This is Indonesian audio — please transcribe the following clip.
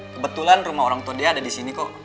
kebetulan rumah orang tua dia ada di sini kok